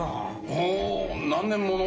ほぉ何年もの？